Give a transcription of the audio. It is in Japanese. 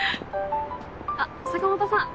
あっ坂本さん